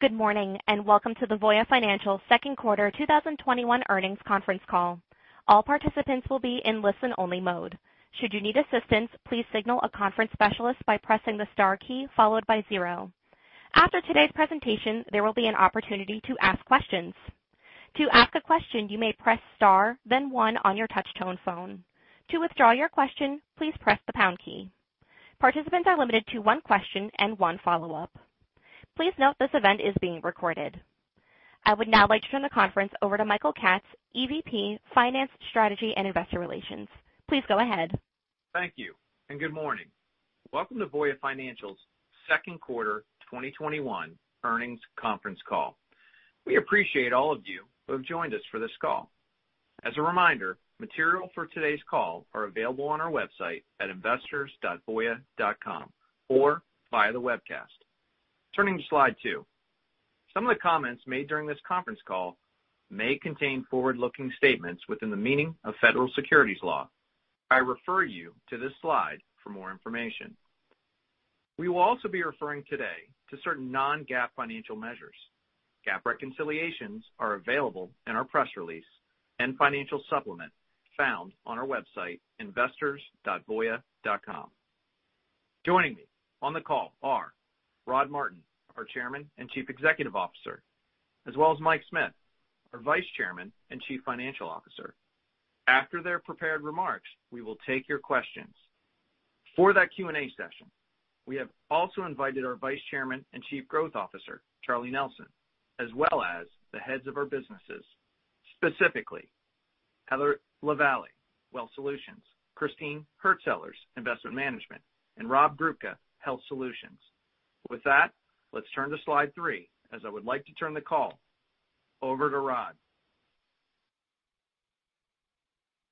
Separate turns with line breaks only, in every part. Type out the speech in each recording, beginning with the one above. Good morning, welcome to the Voya Financial second quarter 2021 earnings conference call. All participants will be in listen-only mode. Should you need assistance, please signal a conference specialist by pressing the star key followed by 0. After today's presentation, there will be an opportunity to ask questions. To ask a question, you may press star, then 1 on your touch-tone phone. To withdraw your question, please press the pound key. Participants are limited to one question and one follow-up. Please note this event is being recorded. I would now like to turn the conference over to Michael Katz, EVP, Finance, Strategy, and Investor Relations. Please go ahead.
Thank you, good morning. Welcome to Voya Financial's second quarter 2021 earnings conference call. We appreciate all of you who have joined us for this call. As a reminder, material for today's call are available on our website at investors.voya.com or via the webcast. Turning to slide two. Some of the comments made during this conference call may contain forward-looking statements within the meaning of federal securities law. I refer you to this slide for more information. We will also be referring today to certain non-GAAP financial measures. GAAP reconciliations are available in our press release and financial supplement found on our website, investors.voya.com. Joining me on the call are Rod Martin, our Chairman and Chief Executive Officer, as well as Mike Smith, our Vice Chairman and Chief Financial Officer. After their prepared remarks, we will take your questions. For that Q&A session, we have also invited our Vice Chairman and Chief Growth Officer, Charlie Nelson, as well as the heads of our businesses. Specifically, Heather Lavallee, Wealth Solutions, Christine Hurtsellers, Investment Management, and Rob Grubka, Health Solutions. With that, let's turn to slide three as I would like to turn the call over to Rod.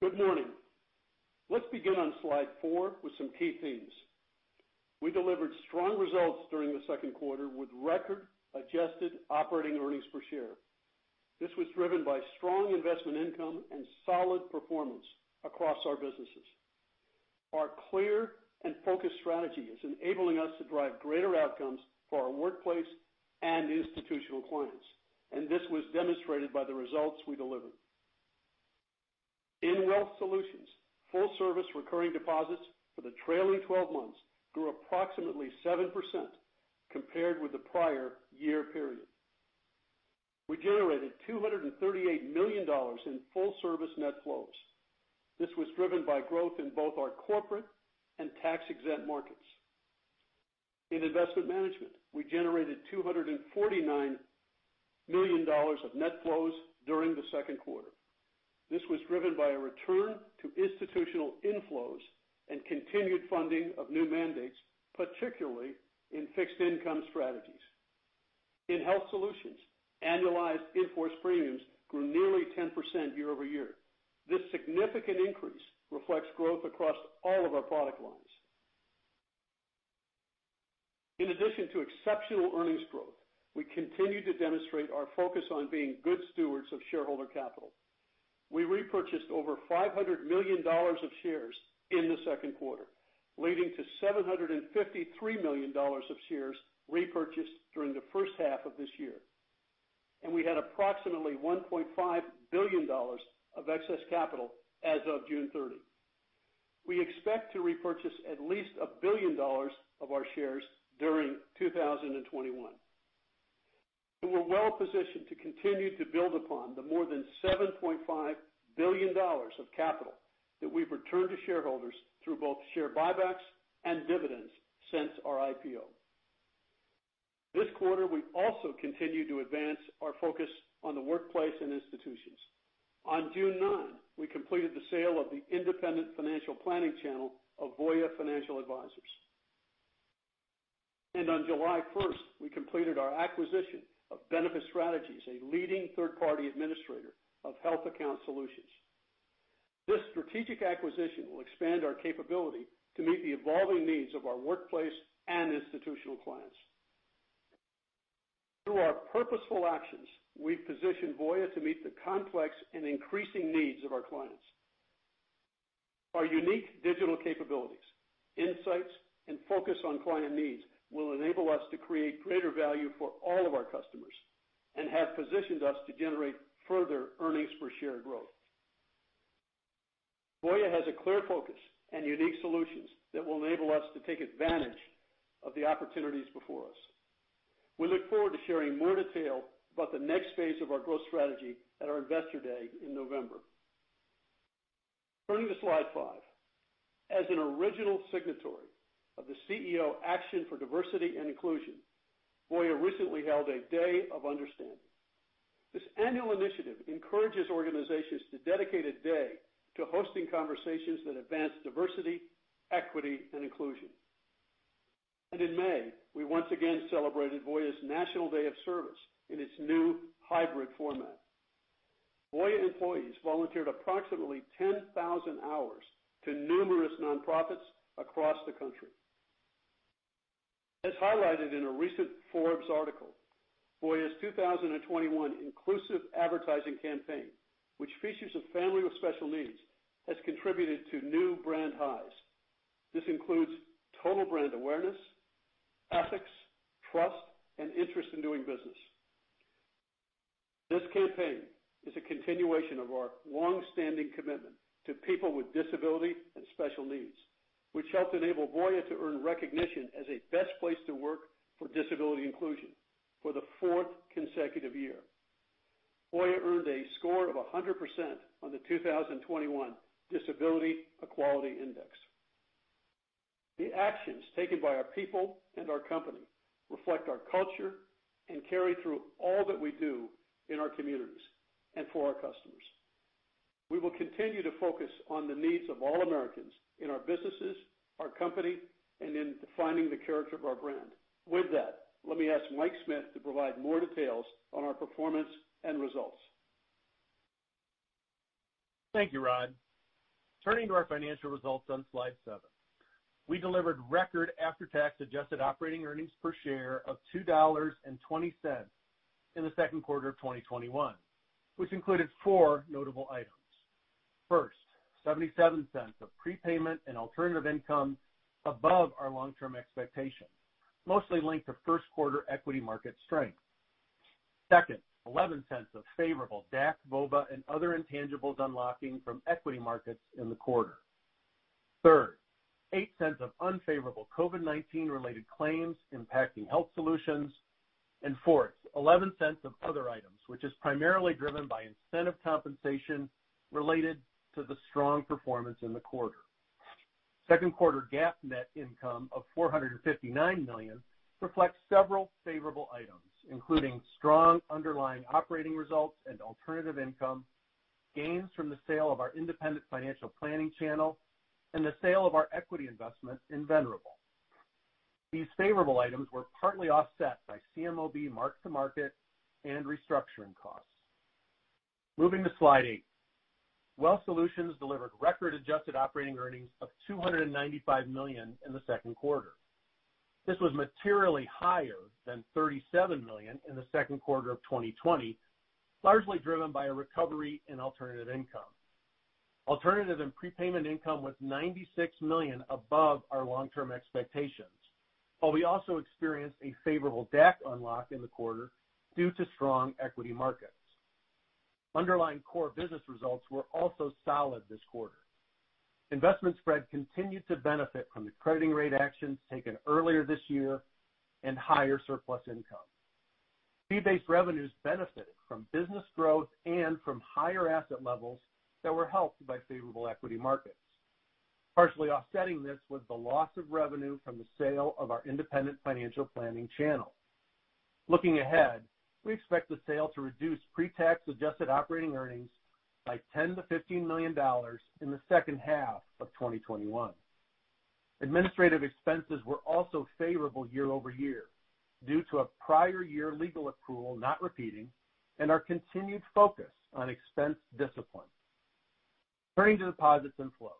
Good morning. Let's begin on slide four with some key themes. We delivered strong results during the second quarter with record adjusted operating earnings per share. This was driven by strong investment income and solid performance across our businesses. Our clear and focused strategy is enabling us to drive greater outcomes for our workplace and institutional clients, and this was demonstrated by the results we delivered. In Wealth Solutions, full service recurring deposits for the trailing 12 months grew approximately 7% compared with the prior year period. We generated $238 million in full service net flows. This was driven by growth in both our corporate and tax-exempt markets. In Investment Management, we generated $249 million of net flows during the second quarter. This was driven by a return to institutional inflows and continued funding of new mandates, particularly in fixed income strategies. In Health Solutions, annualized in-force premiums grew nearly 10% year-over-year. This significant increase reflects growth across all of our product lines. In addition to exceptional earnings growth, we continue to demonstrate our focus on being good stewards of shareholder capital. We repurchased over $500 million of shares in the second quarter, leading to $753 million of shares repurchased during the first half of this year, and we had approximately $1.5 billion of excess capital as of June 30. We expect to repurchase at least $1 billion of our shares during 2021. We were well-positioned to continue to build upon the more than $7.5 billion of capital that we've returned to shareholders through both share buybacks and dividends since our IPO. This quarter, we also continued to advance our focus on the workplace and institutions. On June 9, we completed the sale of the independent financial planning channel of Voya Financial Advisors. On July 1st, we completed our acquisition of Benefit Strategies, a leading third-party administrator of health account solutions. This strategic acquisition will expand our capability to meet the evolving needs of our workplace and institutional clients. Through our purposeful actions, we've positioned Voya to meet the complex and increasing needs of our clients. Our unique digital capabilities, insights, and focus on client needs will enable us to create greater value for all of our customers and have positioned us to generate further EPS growth. Voya has a clear focus and unique solutions that will enable us to take advantage of the opportunities before us. We look forward to sharing more detail about the next phase of our growth strategy at our Investor Day in November. Turning to slide five. As an original signatory of the CEO Action for Diversity and Inclusion, Voya recently held a Day of Understanding. This annual initiative encourages organizations to dedicate a day to hosting conversations that advance diversity, equity, and inclusion. In May, we once again celebrated Voya's National Day of Service in its new hybrid format. Voya employees volunteered approximately 10,000 hours to numerous nonprofits across the country. As highlighted in a recent Forbes article, Voya's 2021 inclusive advertising campaign, which features a family with special needs, has contributed to new brand highs. This includes total brand awareness, ethics, trust, and interest in doing business. This campaign is a continuation of our long-standing commitment to people with disability and special needs, which helped enable Voya to earn recognition as a Best Place to Work for Disability Inclusion for the fourth consecutive year. Voya earned a score of 100% on the 2021 Disability Equality Index. The actions taken by our people and our company reflect our culture and carry through all that we do in our communities and for our customers. We will continue to focus on the needs of all Americans in our businesses, our company, and in defining the character of our brand. With that, let me ask Mike Smith to provide more details on our performance and results.
Thank you, Rod. Turning to our financial results on slide seven. We delivered record after-tax adjusted operating earnings per share of $2.20 in the second quarter of 2021, which included four notable items. First, $0.77 of prepayment and alternative income above our long-term expectations, mostly linked to first quarter equity market strength. Second, $0.11 of favorable DAC, VOBA, and other intangibles unlocking from equity markets in the quarter. Third, $0.08 of unfavorable COVID-19 related claims impacting Health Solutions. Fourth, $0.11 of other items, which is primarily driven by incentive compensation related to the strong performance in the quarter. Second quarter GAAP net income of $459 million reflects several favorable items, including strong underlying operating results and alternative income, gains from the sale of our independent financial planning channel, and the sale of our equity investment in Venerable. These favorable items were partly offset by CBVA mark-to-market and restructuring costs. Moving to slide eight. Wealth Solutions delivered record adjusted operating earnings of $295 million in the second quarter. This was materially higher than $37 million in the second quarter of 2020, largely driven by a recovery in alternative income. Alternative and prepayment income was $96 million above our long-term expectations, while we also experienced a favorable DAC unlock in the quarter due to strong equity markets. Underlying core business results were also solid this quarter. Investment spread continued to benefit from the crediting rate actions taken earlier this year and higher surplus income. Fee-based revenues benefited from business growth and from higher asset levels that were helped by favorable equity markets. Partially offsetting this was the loss of revenue from the sale of our independent financial planning channel. Looking ahead, we expect the sale to reduce pre-tax adjusted operating earnings by $10-$15 million in the second half of 2021. Administrative expenses were also favorable year-over-year due to a prior year legal accrual not repeating and our continued focus on expense discipline. Turning to deposits and flows.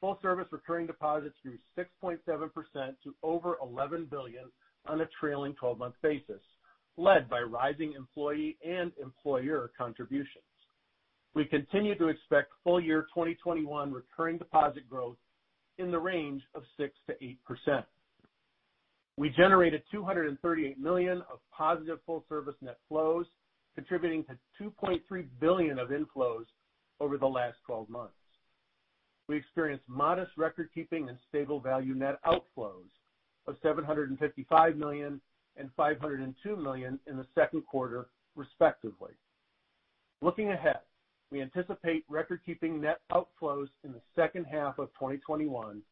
Full service recurring deposits grew 6.7% to over $11 billion on a trailing 12-month basis, led by rising employee and employer contributions. We continue to expect full year 2021 recurring deposit growth in the range of 6%-8%. We generated $238 million of positive full service net flows, contributing to $2.3 billion of inflows over the last 12 months. We experienced modest recordkeeping and stable value net outflows of $755 million and $502 million in the second quarter, respectively. Looking ahead, we anticipate recordkeeping net outflows in the second half of 2021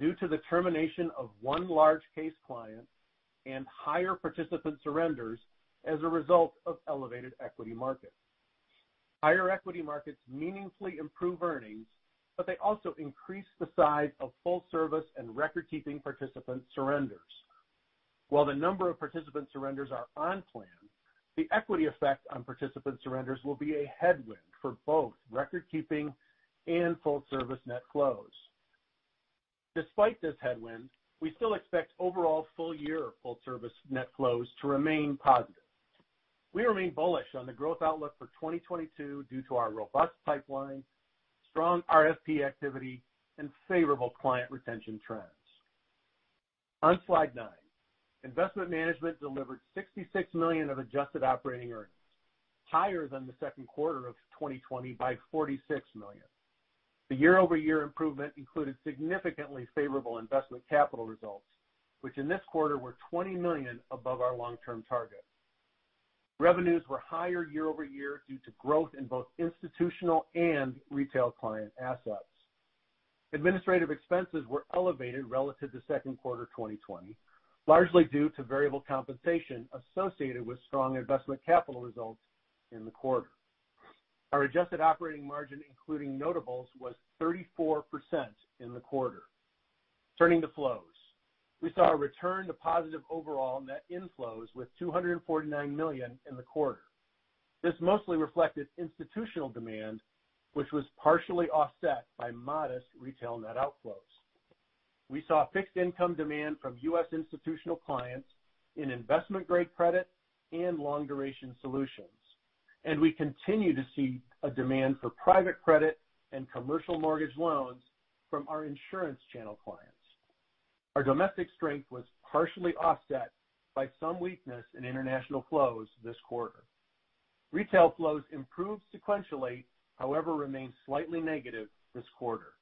due to the termination of one large case client and higher participant surrenders as a result of elevated equity markets. Higher equity markets meaningfully improve earnings. They also increase the size of full service and recordkeeping participant surrenders. While the number of participant surrenders are on plan, the equity effect on participant surrenders will be a headwind for both recordkeeping and full service net flows. Despite this headwind, we still expect overall full year full service net flows to remain positive. We remain bullish on the growth outlook for 2022 due to our robust pipeline, strong RFP activity, and favorable client retention trends. On slide nine, Investment Management delivered $66 million of adjusted operating earnings, higher than the second quarter of 2020 by $46 million. The year-over-year improvement included significantly favorable investment capital results, which in this quarter were $20 million above our long-term target. Revenues were higher year-over-year due to growth in both institutional and retail client assets. Administrative expenses were elevated relative to second quarter 2020, largely due to variable compensation associated with strong investment capital results in the quarter. Our adjusted operating margin, including notables, was 34% in the quarter. Turning to flows. We saw a return to positive overall net inflows with $249 million in the quarter. This mostly reflected institutional demand, which was partially offset by modest retail net outflows. We saw fixed income demand from U.S. institutional clients in investment grade credit and long duration solutions. We continue to see a demand for private credit and commercial mortgage loans from our insurance channel clients. Our domestic strength was partially offset by some weakness in international flows this quarter. Retail flows improved sequentially, however, remained slightly negative this quarter.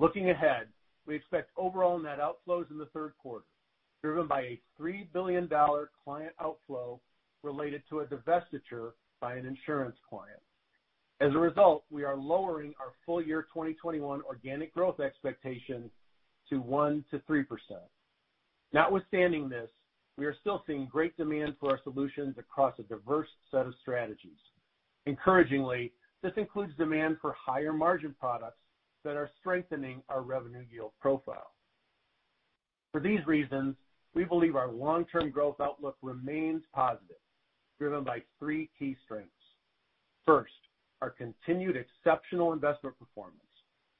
Looking ahead, we expect overall net outflows in the third quarter, driven by a $3 billion client outflow related to a divestiture by an insurance client. As a result, we are lowering our full year 2021 organic growth expectation to 1%-3%. Notwithstanding this, we are still seeing great demand for our solutions across a diverse set of strategies. Encouragingly, this includes demand for higher margin products that are strengthening our revenue yield profile. For these reasons, we believe our long-term growth outlook remains positive, driven by three key strengths. First, our continued exceptional investment performance,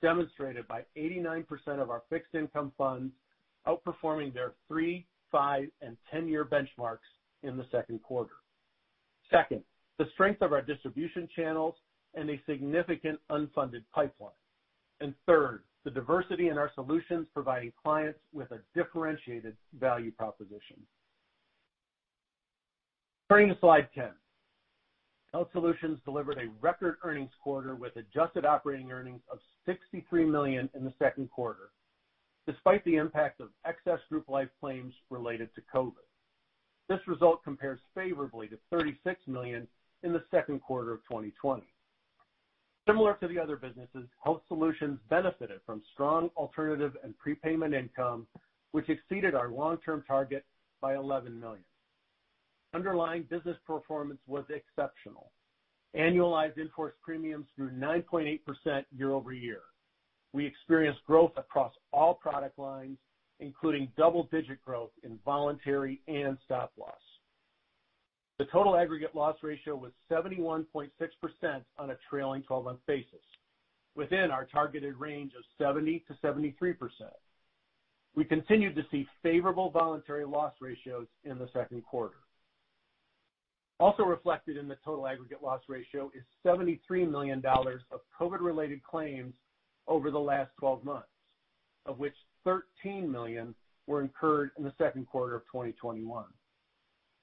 demonstrated by 89% of our fixed income funds outperforming their three, five, and 10-year benchmarks in the second quarter. Second, the strength of our distribution channels and a significant unfunded pipeline. Third, the diversity in our solutions providing clients with a differentiated value proposition. Turning to slide 10. Health Solutions delivered a record earnings quarter with adjusted operating earnings of $63 million in the second quarter, despite the impact of excess group life claims related to COVID. This result compares favorably to $36 million in the second quarter of 2020. Similar to the other businesses, Health Solutions benefited from strong alternative and prepayment income, which exceeded our long-term target by $11 million. Underlying business performance was exceptional. Annualized in-force premiums grew 9.8% year-over-year. We experienced growth across all product lines, including double-digit growth in voluntary and stop-loss. The total aggregate loss ratio was 71.6% on a trailing 12-month basis, within our targeted range of 70%-73%. We continued to see favorable voluntary loss ratios in the second quarter. Also reflected in the total aggregate loss ratio is $73 million of COVID-related claims over the last 12 months, of which $13 million were incurred in the second quarter of 2021.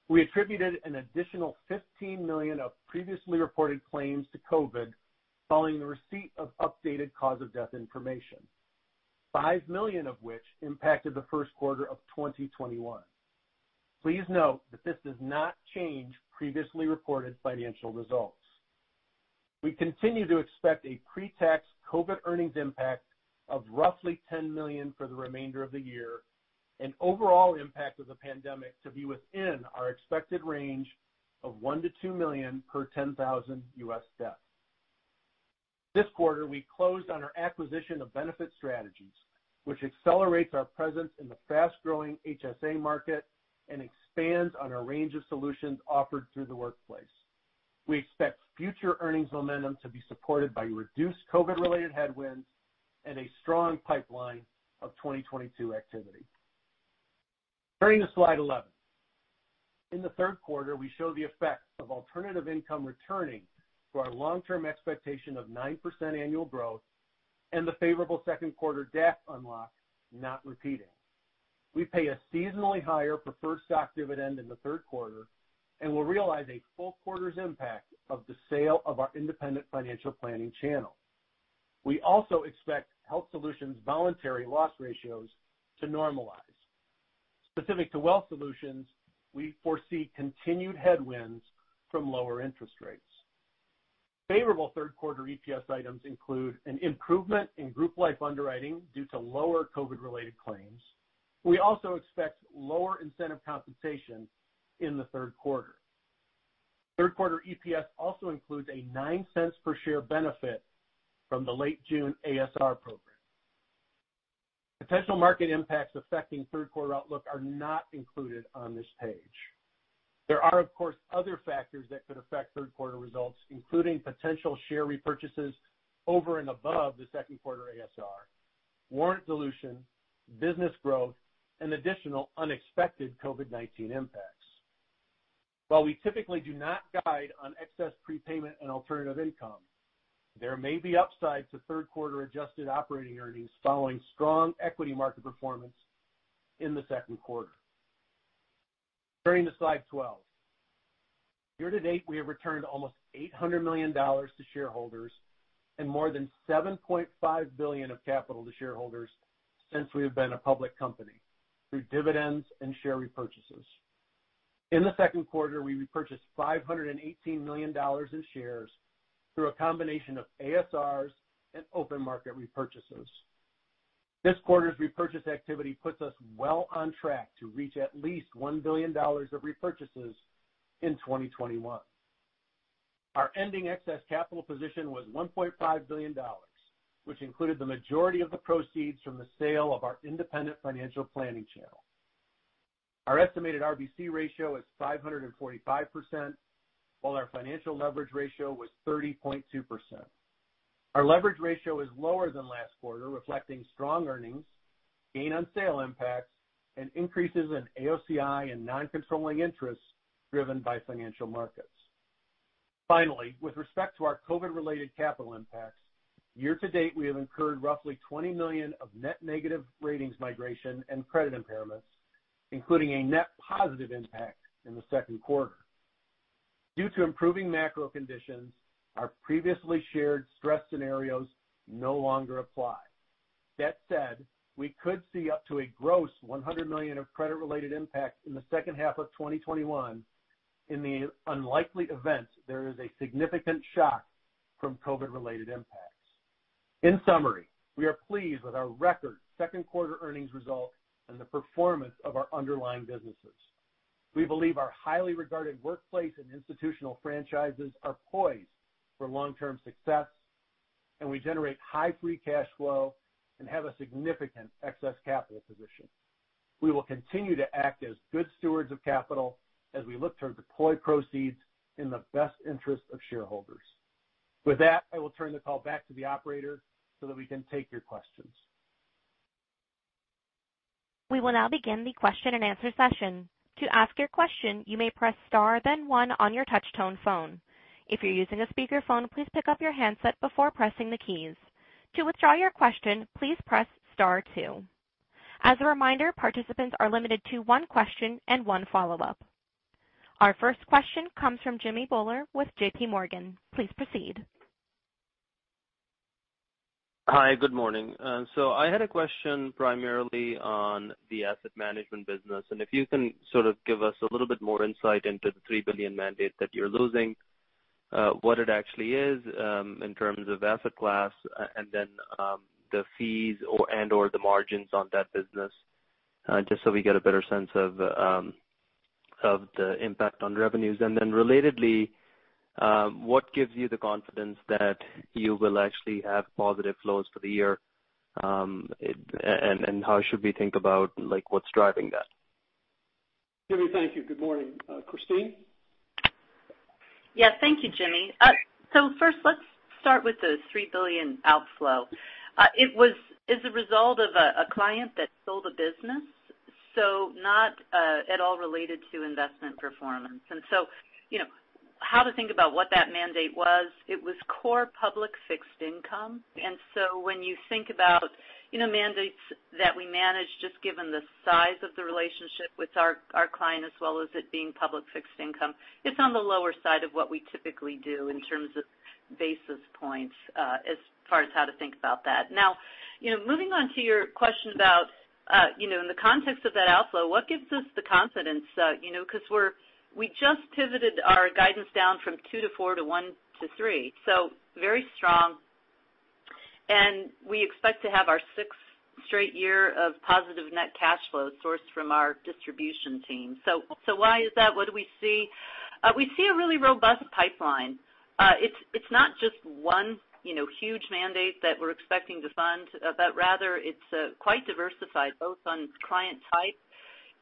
We attributed an additional $15 million of previously reported claims to COVID following the receipt of updated cause of death information, $5 million of which impacted the first quarter of 2021. Please note that this does not change previously reported financial results. We continue to expect a pre-tax COVID earnings impact of roughly $10 million for the remainder of the year and overall impact of the pandemic to be within our expected range of $1 million-$2 million per 10,000 U.S. deaths. This quarter, we closed on our acquisition of Benefit Strategies, which accelerates our presence in the fast-growing HSA market and expands on our range of solutions offered through the workplace. We expect future earnings momentum to be supported by reduced COVID-related headwinds and a strong pipeline of 2022 activity. Turning to slide 11. In the third quarter, we show the effect of alternative income returning to our long-term expectation of 9% annual growth and the favorable second quarter DAC unlock not repeating. We pay a seasonally higher preferred stock dividend in the third quarter and will realize a full quarter's impact of the sale of our independent financial planning channel. We also expect Health Solutions voluntary loss ratios to normalize. Specific to Wealth Solutions, we foresee continued headwinds from lower interest rates. Favorable third quarter EPS items include an improvement in group life underwriting due to lower COVID-related claims. We also expect lower incentive compensation in the third quarter. Third quarter EPS also includes a $0.09 per share benefit from the late June ASR program. Potential market impacts affecting third quarter outlook are not included on this page. There are, of course, other factors that could affect third quarter results, including potential share repurchases over and above the second quarter ASR, warrant dilution, business growth, and additional unexpected COVID-19 impacts. While we typically do not guide on excess prepayment and alternative income, there may be upsides to third quarter adjusted operating earnings following strong equity market performance in the second quarter. Turning to slide 12. Year to date, we have returned almost $800 million to shareholders and more than $7.5 billion of capital to shareholders since we have been a public company through dividends and share repurchases. In the second quarter, we repurchased $518 million in shares through a combination of ASRs and open market repurchases. This quarter's repurchase activity puts us well on track to reach at least $1 billion of repurchases in 2021. Our ending excess capital position was $1.5 billion, which included the majority of the proceeds from the sale of our independent financial planning channel. Our estimated RBC ratio is 545%, while our financial leverage ratio was 30.2%. Our leverage ratio is lower than last quarter, reflecting strong earnings, gain on sale impacts, and increases in AOCI and non-controlling interests driven by financial markets. Finally, with respect to our COVID-related capital impacts, year-to-date we have incurred roughly $20 million of net negative ratings migration and credit impairments, including a net positive impact in the second quarter. Due to improving macro conditions, our previously shared stress scenarios no longer apply. That said, we could see up to a gross $100 million of credit-related impact in the second half of 2021 in the unlikely event there is a significant shock from COVID-related impacts. In summary, we are pleased with our record second quarter earnings result and the performance of our underlying businesses. We believe our highly regarded workplace and institutional franchises are poised for long-term success. We generate high free cash flow and have a significant excess capital position. We will continue to act as good stewards of capital as we look to deploy proceeds in the best interest of shareholders. With that, I will turn the call back to the operator so that we can take your questions.
We will now begin the question and answer session. To ask your question, you may press star then one on your touch tone phone. If you're using a speakerphone, please pick up your handset before pressing the keys. To withdraw your question, please press star two. As a reminder, participants are limited to one question and one follow-up. Our first question comes from Jimmy Bhullar with J.P. Morgan. Please proceed.
Hi. Good morning. I had a question primarily on the asset management business, and if you can sort of give us a little bit more insight into the $3 billion mandate that you're losing, what it actually is in terms of asset class and then the fees and/or the margins on that business just so we get a better sense of the impact on revenues. Relatedly, what gives you the confidence that you will actually have positive flows for the year, and how should we think about what's driving that?
Jimmy, thank you. Good morning. Christine?
Yeah. Thank you, Jimmy. First let's start with the $3 billion outflow. It's a result of a client that sold a business, so not at all related to investment performance. How to think about what that mandate was, it was core public fixed income. When you think about mandates that we manage just given the size of the relationship with our client as well as it being public fixed income, it's on the lower side of what we typically do in terms of basis points as far as how to think about that. Now, moving on to your question about in the context of that outflow, what gives us the confidence? Because we just pivoted our guidance down from two to four to one to three, so very strong. We expect to have our sixth straight year of positive net cash flow sourced from our distribution team. Why is that? What do we see? We see a really robust pipeline. It's not just one huge mandate that we're expecting to fund, but rather it's quite diversified, both on client type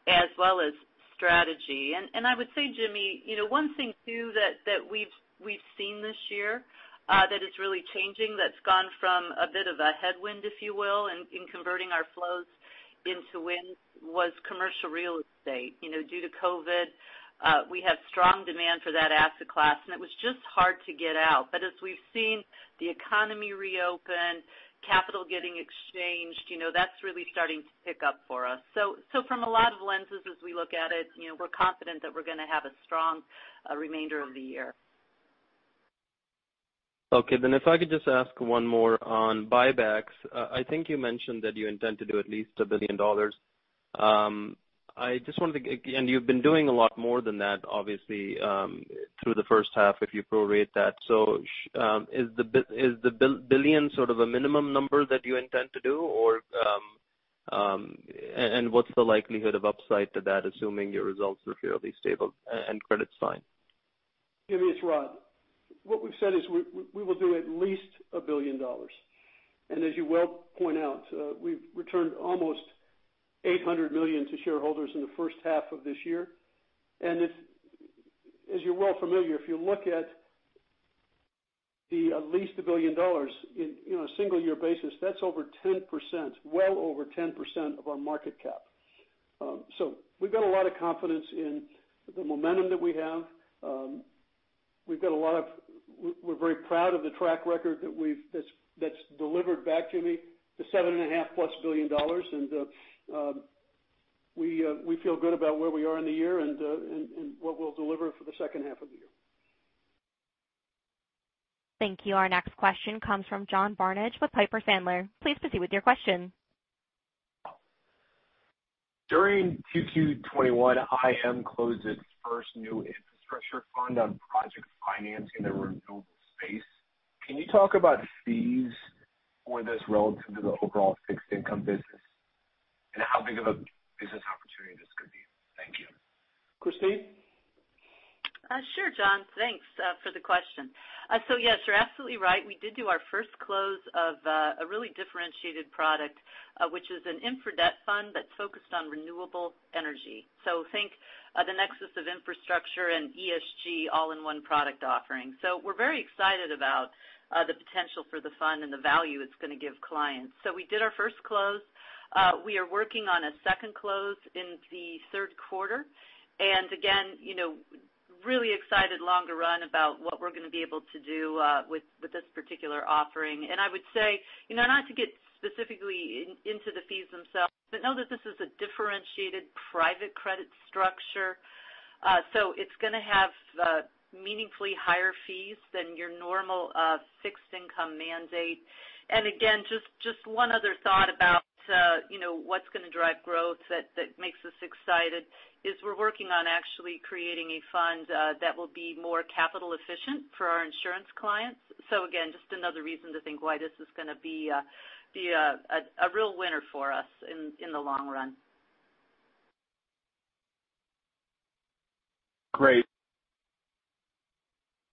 as well as strategy. I would say, Jimmy, one thing too that we've seen this year that is really changing that's gone from a bit of a headwind, if you will, in converting our flows into wind was commercial real estate. Due to COVID, we have strong demand for that asset class, and it was just hard to get out. As we've seen the economy reopen, capital getting exchanged, that's really starting to pick up for us. From a lot of lenses as we look at it, we're confident that we're going to have a strong remainder of the year.
If I could just ask one more on buybacks. I think you mentioned that you intend to do at least $1 billion. You've been doing a lot more than that, obviously, through the first half if you prorate that. Is the $1 billion sort of a minimum number that you intend to do, and what's the likelihood of upside to that, assuming your results are fairly stable and credit's fine?
Jimmy, it's Rod. What we've said is we will do at least $1 billion. As you well point out, we've returned almost $800 million to shareholders in the first half of this year. As you're well familiar, if you look at the at least $1 billion in a single year basis, that's over 10%, well over 10% of our market cap. We've got a lot of confidence in the momentum that we have. We're very proud of the track record that's delivered back to me, the seven and a half plus billion dollars, and we feel good about where we are in the year and what we'll deliver for the second half of the year.
Thank you. Our next question comes from John Barnidge with Piper Sandler. Please proceed with your question.
During Q2 2021, IM closed its first new infrastructure fund on project financing the renewable space. Can you talk about fees for this relative to the overall fixed income business and how big of a business opportunity this could be? Thank you.
Christine?
Sure, John. Thanks for the question. Yes, you're absolutely right. We did do our first close of a really differentiated product, which is an infra debt fund that's focused on renewable energy. Think of the nexus of infrastructure and ESG all-in-one product offering. We're very excited about the potential for the fund and the value it's going to give clients. We did our first close. We are working on a second close in the third quarter. Again, really excited longer run about what we're going to be able to do with this particular offering. I would say, not to get specifically into the fees themselves, but know that this is a differentiated private credit structure. It's going to have meaningfully higher fees than your normal fixed income mandate. Again, just one other thought about what's going to drive growth that makes us excited is we're working on actually creating a fund that will be more capital efficient for our insurance clients. Again, just another reason to think why this is going to be a real winner for us in the long run.
Great.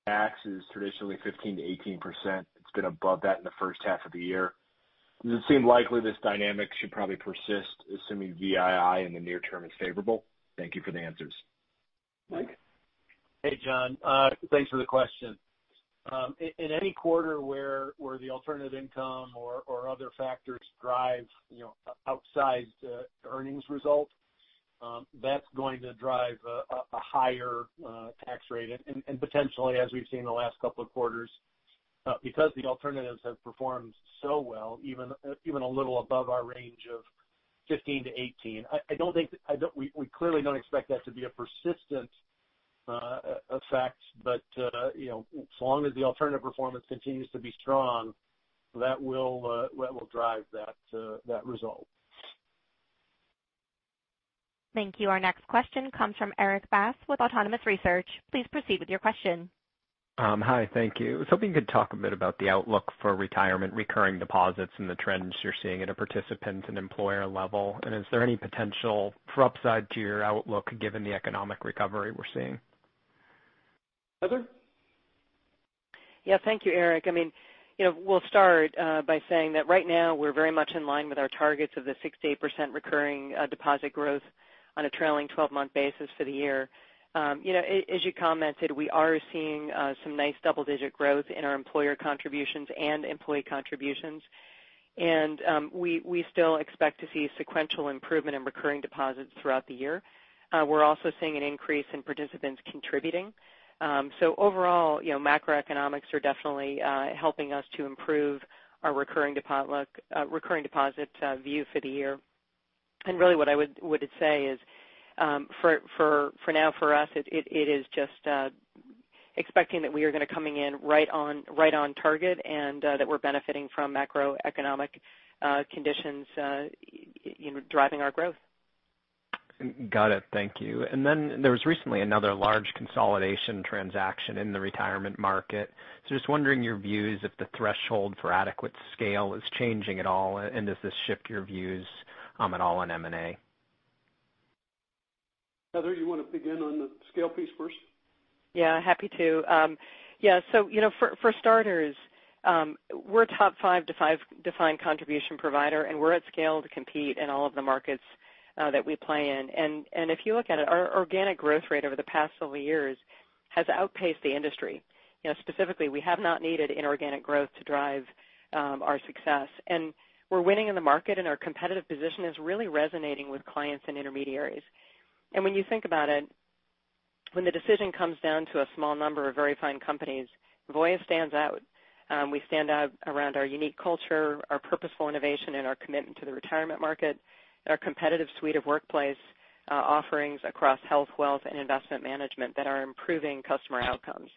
Tax is traditionally 15%-18%. It's been above that in the first half of the year. Does it seem likely this dynamic should probably persist, assuming VII in the near term is favorable? Thank you for the answers.
Mike?
Hey, John. Thanks for the question. In any quarter where the alternative income or other factors drive outsized earnings result, that's going to drive a higher tax rate. Potentially, as we've seen in the last couple of quarters, because the alternatives have performed so well, even a little above our range of 15-18. We clearly don't expect that to be a persistent effect, as long as the alternative performance continues to be strong, that will drive that result.
Thank you. Our next question comes from Erik Bass with Autonomous Research. Please proceed with your question.
Hi, thank you. I was hoping you could talk a bit about the outlook for retirement recurring deposits and the trends you're seeing at a participant and employer level. Is there any potential for upside to your outlook given the economic recovery we're seeing?
Heather?
Thank you, Erik. We'll start by saying that right now we're very much in line with our targets of the 6%-8% recurring deposit growth on a trailing 12-month basis for the year. As you commented, we are seeing some nice double-digit growth in our employer contributions and employee contributions. We still expect to see sequential improvement in recurring deposits throughout the year. We're also seeing an increase in participants contributing. Overall, macroeconomics are definitely helping us to improve our recurring deposit view for the year. Really what I would say is, for now, for us, it is just expecting that we are going to coming in right on target, and that we're benefiting from macroeconomic conditions driving our growth.
Got it. Thank you. There was recently another large consolidation transaction in the retirement market. Just wondering your views if the threshold for adequate scale is changing at all, and does this shift your views at all on M&A?
Heather, you want to begin on the scale piece first?
Yeah, happy to. For starters, we're a top five defined contribution provider. We're at scale to compete in all of the markets that we play in. If you look at it, our organic growth rate over the past several years has outpaced the industry. Specifically, we have not needed inorganic growth to drive our success. We're winning in the market, and our competitive position is really resonating with clients and intermediaries. When you think about it, when the decision comes down to a small number of very fine companies, Voya stands out. We stand out around our unique culture, our purposeful innovation, and our commitment to the retirement market, and our competitive suite of workplace offerings across health, wealth, and investment management that are improving customer outcomes.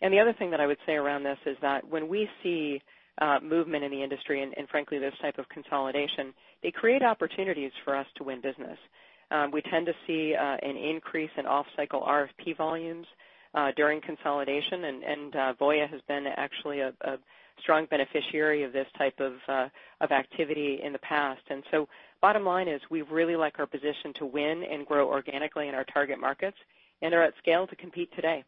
The other thing that I would say around this is that when we see movement in the industry, and frankly, this type of consolidation, they create opportunities for us to win business. We tend to see an increase in off-cycle RFP volumes during consolidation, and Voya has been actually a strong beneficiary of this type of activity in the past. Bottom line is we really like our position to win and grow organically in our target markets and are at scale to compete today.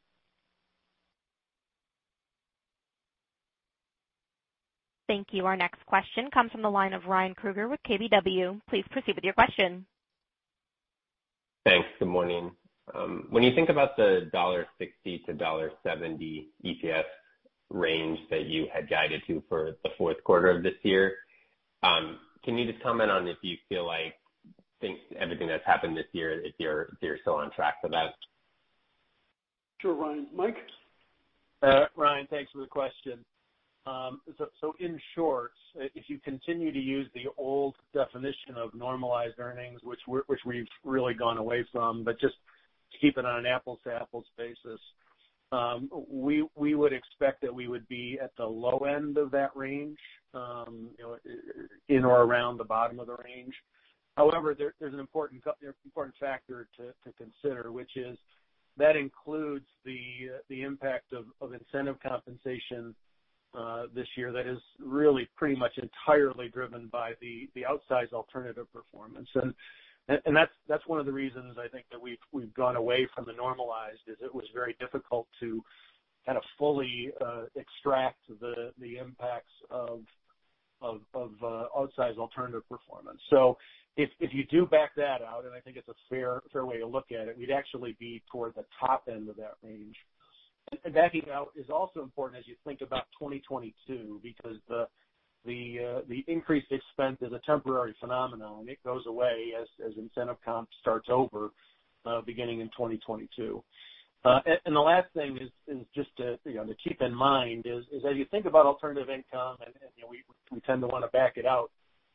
Thank you. Our next question comes from the line of Ryan Krueger with KBW. Please proceed with your question.
Thanks. Good morning. When you think about the $1.60-$1.70 EPS range that you had guided to for the fourth quarter of this year, can you just comment on if you feel like everything that's happened this year, if you're still on track for that?
Sure, Ryan. Mike?
Ryan, thanks for the question. In short, if you continue to use the old definition of normalized earnings, which we've really gone away from, but just to keep it on an apples-to-apples basis, we would expect that we would be at the low end of that range, in or around the bottom of the range. However, there's an important factor to consider, which is that includes the impact of incentive compensation this year that is really pretty much entirely driven by the outsized alternative performance. That's one of the reasons I think that we've gone away from the normalized is it was very difficult to kind of fully extract the impacts of outsized alternative performance. If you do back that out, and I think it's a fair way to look at it, we'd actually be toward the top end of that range. Backing out is also important as you think about 2022, because the increased expense is a temporary phenomenon. It goes away as incentive comp starts over beginning in 2022. The last thing is just to keep in mind is, as you think about alternative income, and we tend to want to back it out,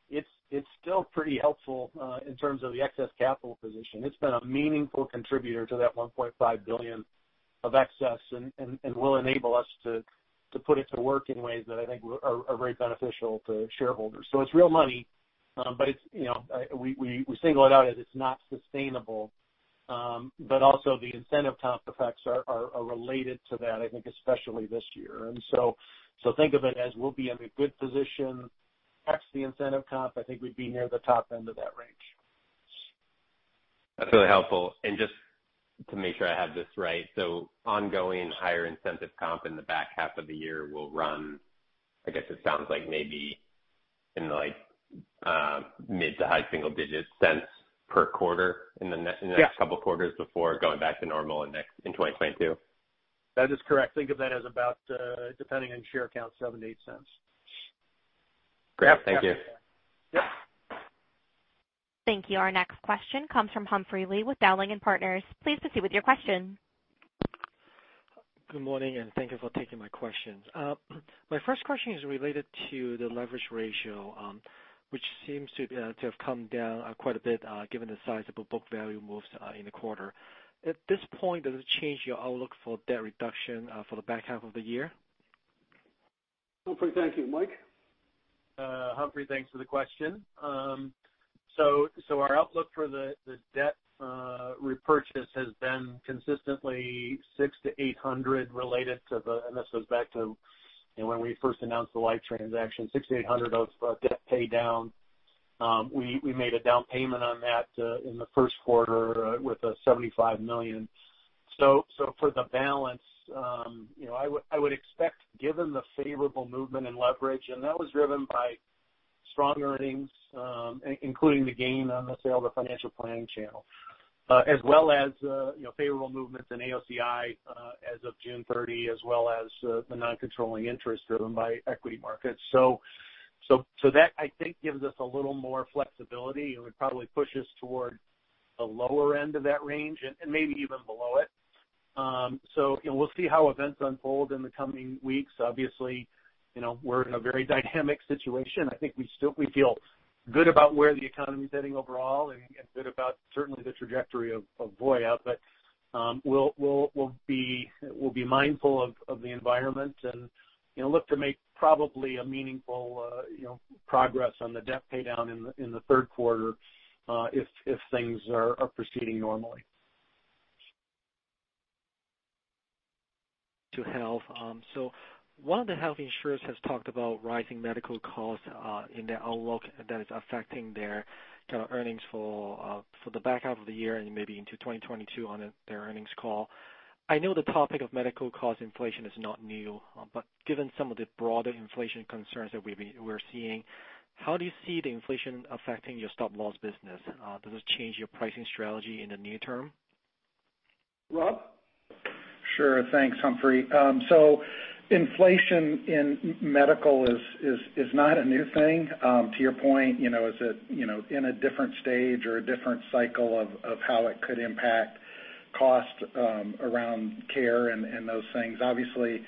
it's still pretty helpful in terms of the excess capital position. It's been a meaningful contributor to that $1.5 billion of excess and will enable us to put it to work in ways that I think are very beneficial to shareholders. It's real money, but we single it out as it's not sustainable. Also the incentive comp effects are related to that, I think, especially this year. Think of it as we'll be in a good position, ex the incentive comp, I think we'd be near the top end of that range.
That's really helpful. Just to make sure I have this right. Ongoing higher incentive comp in the back half of the year will run, I guess it sounds like maybe $0.05-$0.09 per quarter in the next-
Yeah
couple quarters before going back to normal in 2022.
That is correct. Think of that as about, depending on share count, $0.07-$0.08.
Great. Thank you.
Yep.
Thank you. Our next question comes from Humphrey Lee with Dowling & Partners. Please proceed with your question.
Good morning, thank you for taking my questions. My first question is related to the leverage ratio which seems to have come down quite a bit given the sizable book value moves in the quarter. At this point, does it change your outlook for debt reduction for the back half of the year?
Humphrey, thank you. Mike? Humphrey, thanks for the question. Our outlook for the debt repurchase has been consistently $600 million-$800 million related to the, and this goes back to when we first announced the Life transaction, $6.8 billion of debt pay down. We made a down payment on that in the first quarter with a $75 million. For the balance, I would expect given the favorable movement in leverage, and that was driven by strong earnings including the gain on the sale of the financial planning channel as well as favorable movements in AOCI as of June 30, as well as the non-controlling interest driven by equity markets. That I think gives us a little more flexibility. It would probably push us toward the lower end of that range and maybe even below it. We'll see how events unfold in the coming weeks. Obviously, we're in a very dynamic situation. I think we feel good about where the economy is heading overall and good about certainly the trajectory of Voya. We'll be mindful of the environment and look to make probably a meaningful progress on the debt pay down in the third quarter if things are proceeding normally.
To health. One of the health insurers has talked about rising medical costs in their outlook that is affecting their earnings for the back half of the year and maybe into 2022 on their earnings call. I know the topic of medical cost inflation is not new, but given some of the broader inflation concerns that we're seeing, how do you see the inflation affecting your stop-loss business? Does it change your pricing strategy in the near term?
Rob?
Sure. Thanks, Humphrey. Inflation in medical is not a new thing. To your point, is it in a different stage or a different cycle of how it could impact cost around care and those things? Obviously,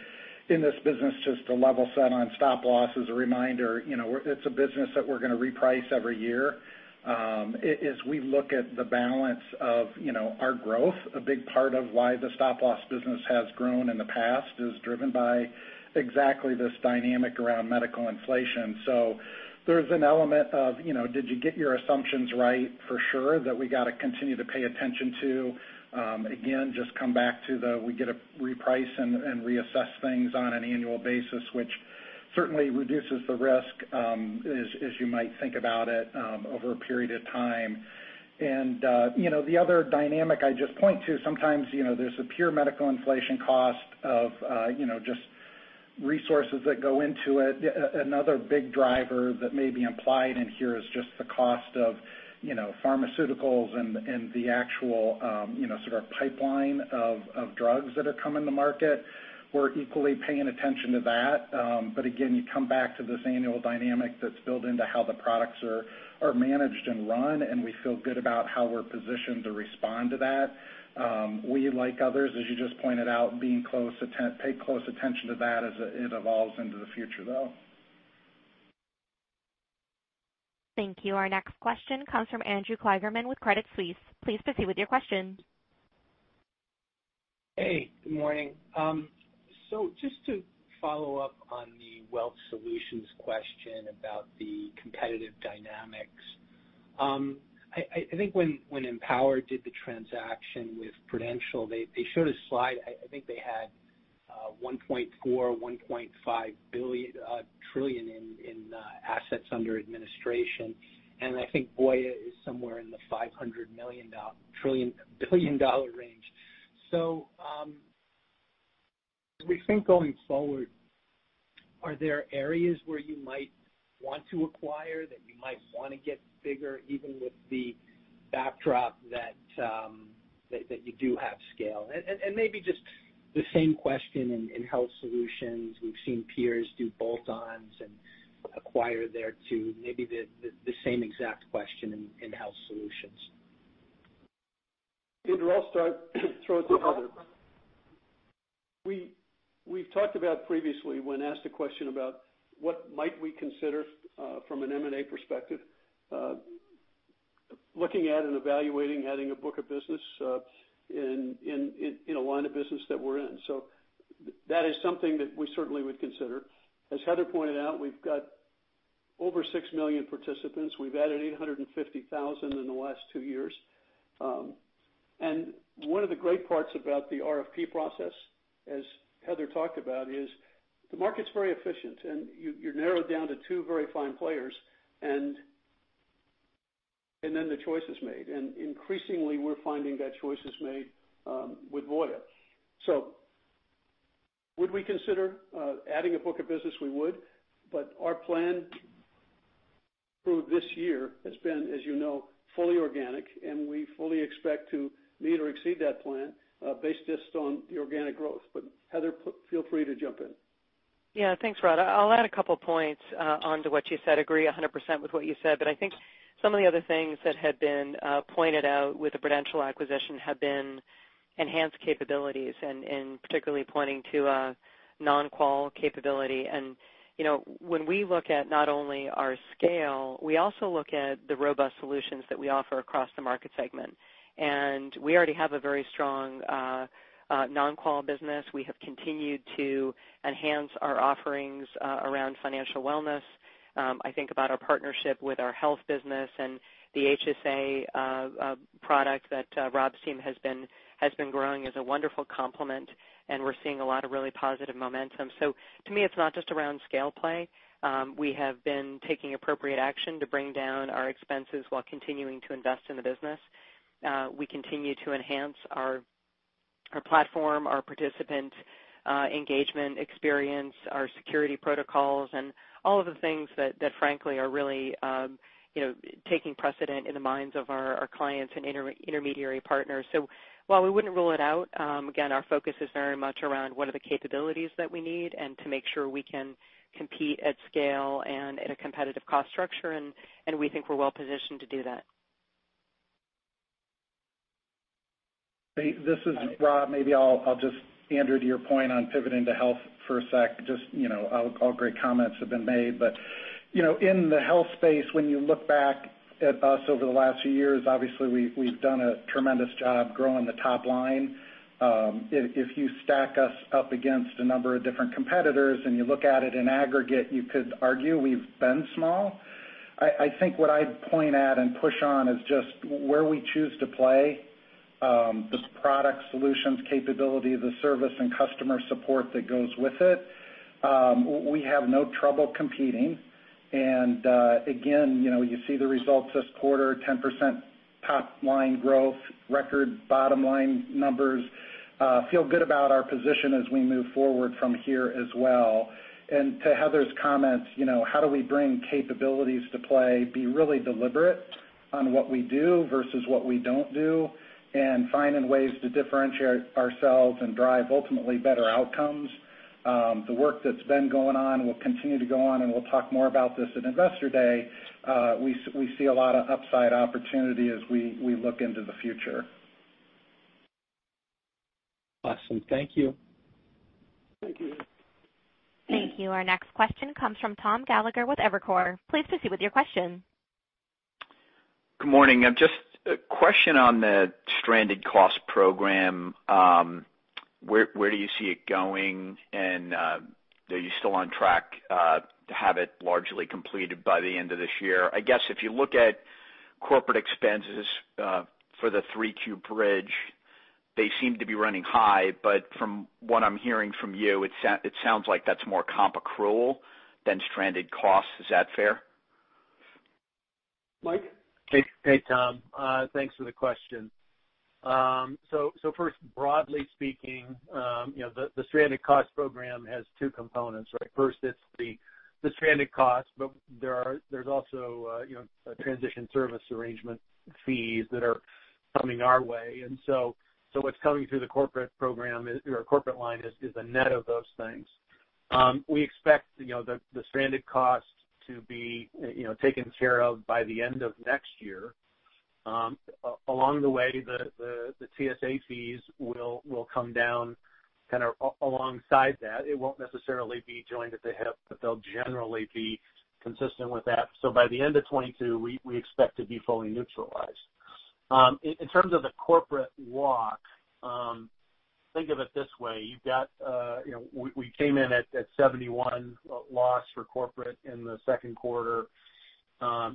in this business, just to level set on stop-loss as a reminder, it's a business that we're going to reprice every year as we look at the balance of our growth. A big part of why the stop-loss business has grown in the past is driven by exactly this dynamic around medical inflation. There's an element of, did you get your assumptions right for sure that we got to continue to pay attention to. Again, just come back to the we get a reprice and reassess things on an annual basis, which certainly reduces the risk as you might think about it over a period of time. The other dynamic I just point to sometimes there's a pure medical inflation cost of just resources that go into it. Another big driver that may be implied in here is just the cost of pharmaceuticals and the actual sort of pipeline of drugs that are coming to market. We're equally paying attention to that. Again, you come back to this annual dynamic that's built into how the products are managed and run, and we feel good about how we're positioned to respond to that. We, like others, as you just pointed out, pay close attention to that as it evolves into the future, though.
Thank you. Our next question comes from Andrew Kligerman with Credit Suisse. Please proceed with your question.
Just to follow up on the Wealth Solutions question about the competitive dynamics. I think when Empower did the transaction with Prudential, they showed a slide. I think they had $1.4 trillion or $1.5 trillion in assets under administration, and I think Voya is somewhere in the $500 million range. As we think going forward, are there areas where you might want to acquire, that you might want to get bigger, even with the backdrop that you do have scale? Maybe just the same question in Health Solutions. We've seen peers do bolt-ons and acquire there too. Maybe the same exact question in Health Solutions.
Andrew, I'll start, throw it to Heather. We've talked about previously when asked a question about what might we consider, from an M&A perspective, looking at and evaluating adding a book of business in a line of business that we're in. That is something that we certainly would consider. As Heather pointed out, we've got over 6 million participants. We've added 850,000 in the last two years. One of the great parts about the RFP process, as Heather talked about, is the market's very efficient, and you narrow it down to two very fine players, and then the choice is made. Increasingly, we're finding that choice is made with Voya. Would we consider adding a book of business? We would. Our plan through this year has been, as you know, fully organic, and we fully expect to meet or exceed that plan, based just on the organic growth. Heather, feel free to jump in.
Thanks, Rod. I'll add a couple points onto what you said. Agree 100% with what you said, but I think some of the other things that had been pointed out with the Prudential acquisition have been enhanced capabilities and particularly pointing to a non-qual capability. When we look at not only our scale, we also look at the robust solutions that we offer across the market segment. We already have a very strong non-qual business. We have continued to enhance our offerings around financial wellness. I think about our partnership with our Health Solutions business and the HSA product that Rob's team has been growing as a wonderful complement, and we're seeing a lot of really positive momentum. To me, it's not just around scale play. We have been taking appropriate action to bring down our expenses while continuing to invest in the business. We continue to enhance our platform, our participant engagement experience, our security protocols, and all of the things that frankly, are really taking precedent in the minds of our clients and intermediary partners. While we wouldn't rule it out, again, our focus is very much around what are the capabilities that we need and to make sure we can compete at scale and at a competitive cost structure. We think we're well-positioned to do that.
Hey, this is Rob. Maybe I'll just, Andrew, to your point on pivoting to Health Solutions for a sec, all great comments have been made, but in the Health Solutions space, when you look back at us over the last few years, obviously, we've done a tremendous job growing the top line. If you stack us up against a number of different competitors and you look at it in aggregate, you could argue we've been small. I think what I'd point at and push on is just where we choose to play, the product solutions capability, the service and customer support that goes with it. We have no trouble competing. Again, you see the results this quarter, 10% top-line growth, record bottom-line numbers. Feel good about our position as we move forward from here as well. To Heather's comments, how do we bring capabilities to play, be really deliberate on what we do versus what we don't do, and finding ways to differentiate ourselves and drive ultimately better outcomes. The work that's been going on will continue to go on, and we'll talk more about this at Investor Day. We see a lot of upside opportunity as we look into the future.
Awesome. Thank you.
Thank you.
Thank you. Our next question comes from Tom Gallagher with Evercore. Please proceed with your question.
Good morning. Just a question on the stranded cost program. Where do you see it going? Are you still on track to have it largely completed by the end of this year? I guess if you look at corporate expenses for the 3Q bridge, they seem to be running high, from what I'm hearing from you, it sounds like that's more comp accrual than stranded costs. Is that fair?
Mike?
Hey, Tom. Thanks for the question. First, broadly speaking, the stranded cost program has two components, right? First, it's the stranded cost, but there's also a transition service arrangement fees that are coming our way. What's coming through the corporate program or corporate line is the net of those things. We expect the stranded cost to be taken care of by the end of next year. Along the way, the TSA fees will come down kind of alongside that. It won't necessarily be joined at the hip, but they'll generally be consistent with that. By the end of 2022, we expect to be fully neutralized. In terms of the corporate walk, think of it this way. We came in at $71 loss for corporate in the second quarter.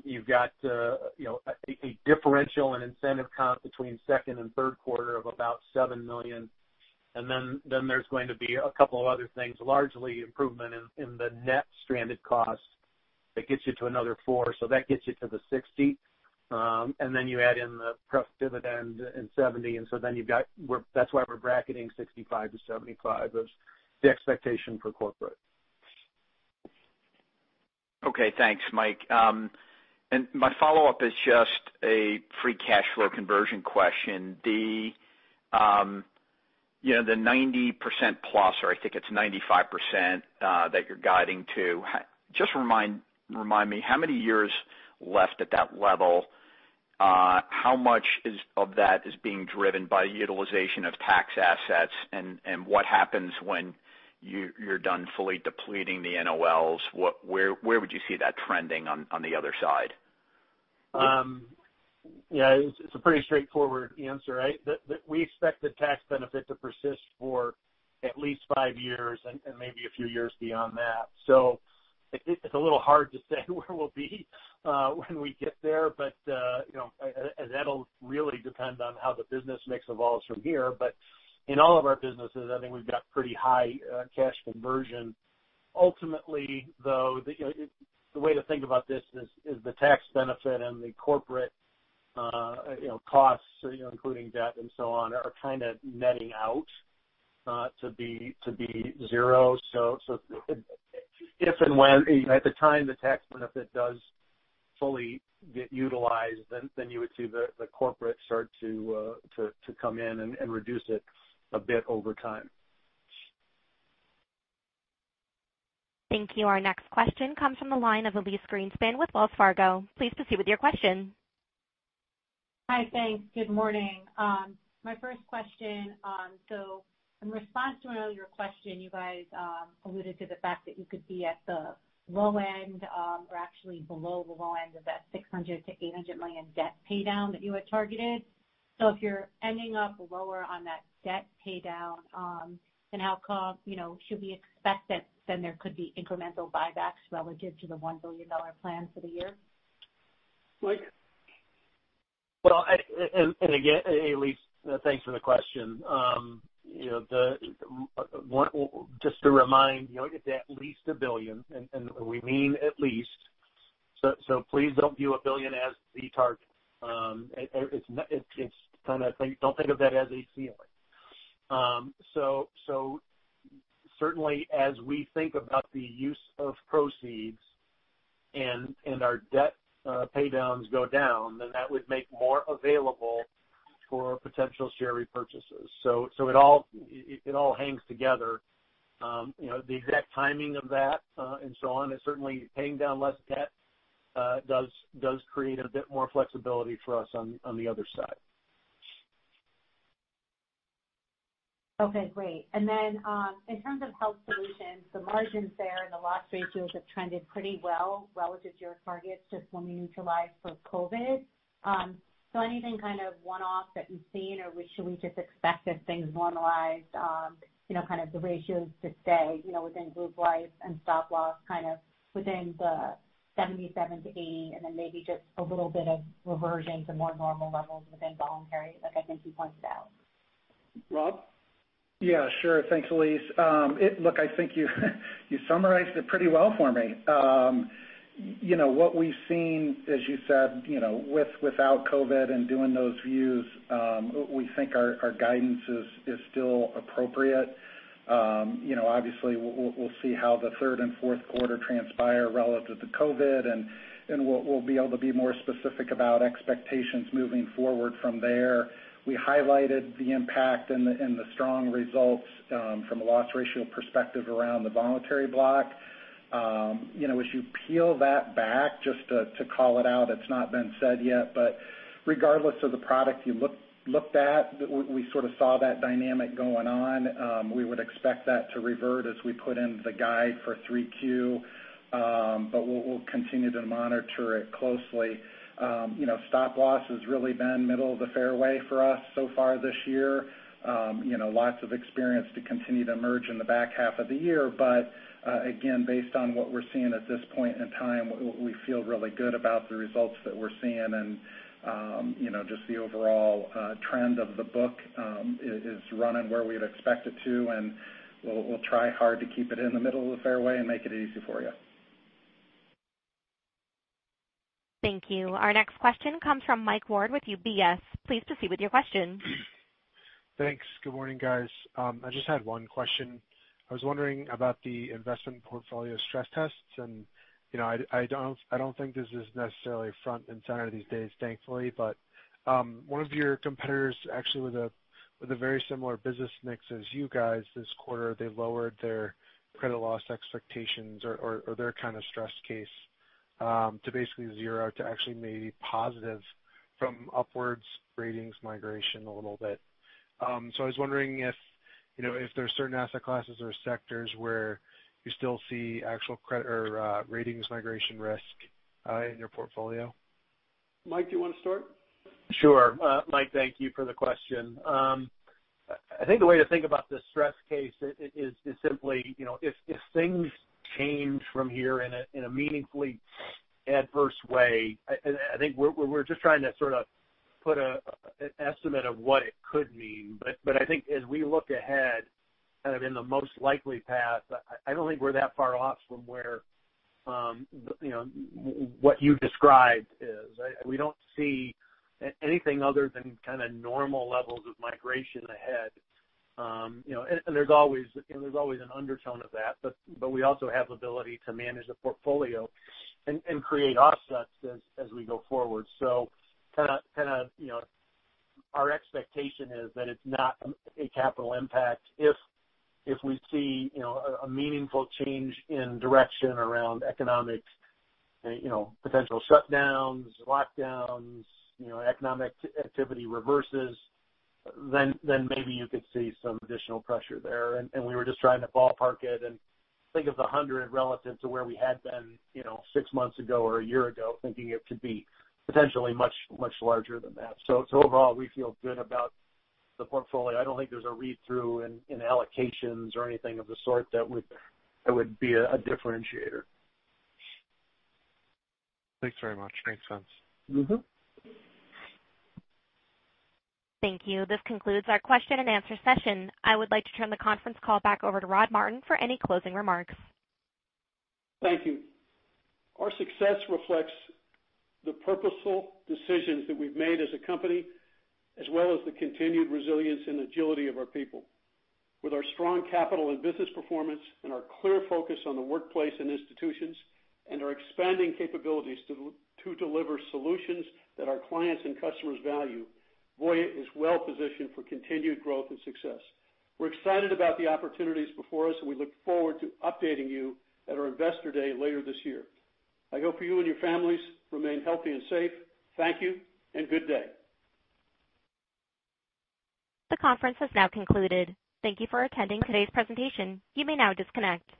You've got a differential in incentive comp between second and third quarter of about $7 million. There's going to be a couple of other things, largely improvement in the net stranded cost That gets you to another $4. That gets you to the $60. You add in the pref dividend and $70. That's why we're bracketing $65-$75 as the expectation for corporate.
Okay, thanks, Mike. My follow-up is just a free cash flow conversion question. The 90%+, or I think it's 95%, that you're guiding to, just remind me how many years left at that level, how much of that is being driven by utilization of tax assets, and what happens when you're done fully depleting the NOLs? Where would you see that trending on the other side?
It's a pretty straightforward answer, right? We expect the tax benefit to persist for at least five years and maybe a few years beyond that. It's a little hard to say where we'll be when we get there, but that'll really depend on how the business mix evolves from here. In all of our businesses, I think we've got pretty high cash conversion. Ultimately, though, the way to think about this is the tax benefit and the corporate costs, including debt and so on, are kind of netting out to be zero. If and when at the time the tax benefit does fully get utilized, you would see the corporate start to come in and reduce it a bit over time.
Thank you. Our next question comes from the line of Elyse Greenspan with Wells Fargo. Please proceed with your question.
Hi, thanks. Good morning. My first question, in response to an earlier question, you guys alluded to the fact that you could be at the low end or actually below the low end of that $600 million-$800 million debt paydown that you had targeted. If you're ending up lower on that debt paydown, should we expect that there could be incremental buybacks relative to the $1 billion plan for the year?
Mike? Well, again, Elyse, thanks for the question. Just to remind, it's at least $1 billion, and we mean at least. Please don't view $1 billion as the target. Don't think of that as a ceiling. Certainly as we think about the use of proceeds and our debt paydowns go down, that would make more available for potential share repurchases. It all hangs together. The exact timing of that and so on is certainly paying down less debt does create a bit more flexibility for us on the other side.
Okay, great. In terms of Health Solutions, the margins there and the loss ratios have trended pretty well relative to your targets just when we neutrilize for COVID. Anything kind of one-off that you've seen or should we just expect as things normalize, kind of the ratios to stay within group life and stop-loss kind of within the 77%-80%, and then maybe just a little bit of reversion to more normal levels within voluntary, like I think you pointed out.
Rob?
Yeah, sure. Thanks, Elyse. Look, I think you summarized it pretty well for me. What we've seen, as you said, with, without COVID and doing those views, we think our guidance is still appropriate. Obviously, we'll see how the third and fourth quarter transpire relative to COVID, and we'll be able to be more specific about expectations moving forward from there. We highlighted the impact and the strong results from a loss ratio perspective around the voluntary block. As you peel that back, just to call it out, it's not been said yet, but regardless of the product you looked at, we sort of saw that dynamic going on. We would expect that to revert as we put in the guide for 3Q, but we'll continue to monitor it closely. Stop-loss has really been middle of the fairway for us so far this year. Lots of experience to continue to emerge in the back half of the year. Again, based on what we're seeing at this point in time, we feel really good about the results that we're seeing and just the overall trend of the book is running where we'd expect it to, and we'll try hard to keep it in the middle of the fairway and make it easy for you.
Thank you. Our next question comes from Michael Ward with UBS. Please proceed with your question.
Thanks. Good morning, guys. I just had one question. I was wondering about the investment portfolio stress tests. I don't think this is necessarily front and center these days, thankfully, but one of your competitors actually with a very similar business mix as you guys this quarter, they lowered their credit loss expectations or their kind of stress case to basically zero to actually maybe positive from upwards ratings migration a little bit. I was wondering if there's certain asset classes or sectors where you still see actual credit or ratings migration risk in your portfolio.
Mike, do you want to start? Sure. Mike, thank you for the question. I think the way to think about the stress case is simply if things change from here in a meaningfully adverse way, I think we're just trying to sort of put an estimate of what it could mean. I think as we look ahead. Kind of in the most likely path, I don't think we're that far off from what you described. We don't see anything other than kind of normal levels of migration ahead. There's always an undertone of that, but we also have the ability to manage the portfolio and create offsets as we go forward. Kind of our expectation is that it's not a capital impact. If we see a meaningful change in direction around economic potential shutdowns, lockdowns, economic activity reverses, then maybe you could see some additional pressure there. We were just trying to ballpark it and think of the 100 relative to where we had been six months ago or a year ago, thinking it could be potentially much larger than that. Overall, we feel good about the portfolio. I don't think there's a read-through in allocations or anything of the sort that would be a differentiator.
Thanks very much. Makes sense.
Thank you. This concludes our question and answer session. I would like to turn the conference call back over to Rod Martin for any closing remarks.
Thank you. Our success reflects the purposeful decisions that we've made as a company, as well as the continued resilience and agility of our people. With our strong capital and business performance and our clear focus on the workplace and institutions, and our expanding capabilities to deliver solutions that our clients and customers value, Voya is well positioned for continued growth and success. We're excited about the opportunities before us, and we look forward to updating you at our Investor Day later this year. I hope you and your families remain healthy and safe. Thank you, and good day.
The conference has now concluded. Thank you for attending today's presentation. You may now disconnect.